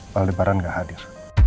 paldeparan gak hadir